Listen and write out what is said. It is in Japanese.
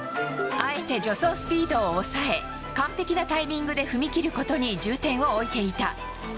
あえて助走スピードを抑え完璧なタイミングで踏み切ることに重点を置いていた。